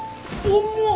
重っ！